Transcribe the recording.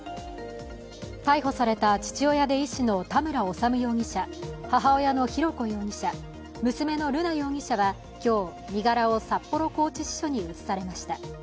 逮捕された父親で医師の田村修容疑者、母親の浩子容疑者、娘の瑠奈容疑者は今日、身柄を札幌拘置支所に移されました。